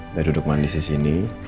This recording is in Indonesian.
udah duduk mandi disini